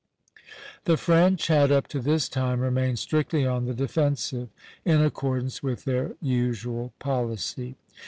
The French had up to this time remained strictly on the defensive, in accordance with their usual policy.